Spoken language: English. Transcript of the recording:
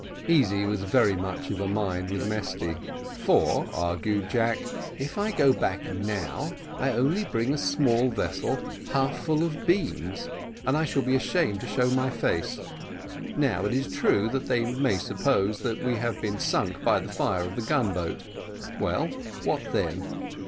Easy was very much of a mind with Mesty; "for," argued Jack, "if I go back now, I only bring a small vessel half full of beans, and I shall be ashamed to show my face. Now it is true, that they may suppose that we have been sunk by the fire of the gun boat. Well, what then?